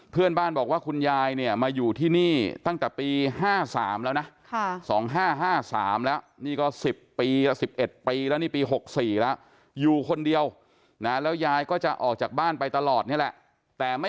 เพื่อนบ้านบอกว่าคุณยายมาอยู่ที่นี่ตั้งแต่ปี๕๓แล้วนะ